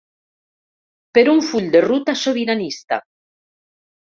Per un full de ruta sobiranista!